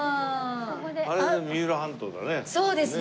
あれが三浦半島だね。